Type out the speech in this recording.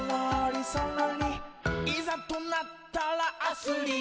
「いざとなったらアスリート！」